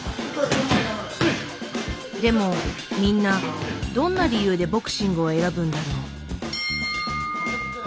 でもみんなどんな理由でボクシングを選ぶんだろう？